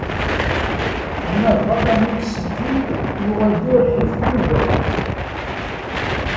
Anabaḍ amiksiki yuɣal d uṛhif ugar.